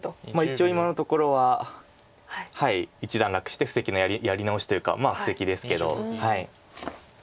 一応今のところは一段落して布石のやり直しというかまあ布石ですけど。